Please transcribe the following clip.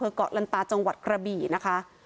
เกาะลันตาจังหวัดกระบี่นะคะ